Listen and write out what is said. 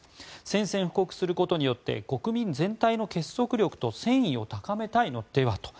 宣戦布告することによって国民全体の結束力と戦意を高めたいのではと。